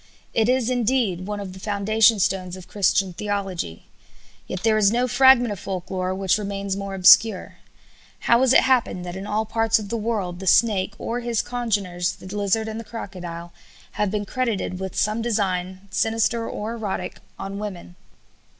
It is, indeed, one of the foundation stones of Christian theology. Yet there is no fragment of folk lore which remains more obscure. How has it happened that in all parts of the world the snake or his congeners, the lizard and the crocodile, have been credited with some design, sinister or erotic, on women?